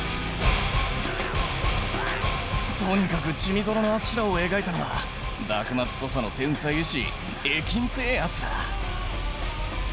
とにかく血みどろのあっしらを描いたのは幕末土佐の天才絵師絵金ってぇやつだ。